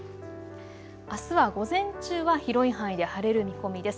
あすは午前中は広い範囲で晴れる見込みです。